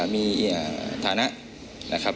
มีฐานะ